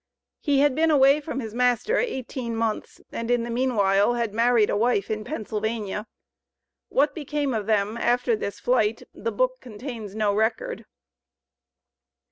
He had been away from his master eighteen months, and in the meanwhile had married a wife in Pennsylvania. What became of them after this flight the book contains no record.